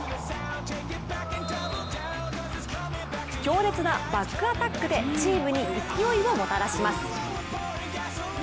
強烈なバックアタックでチームに勢いをもたらします。